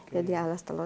jadi alas telur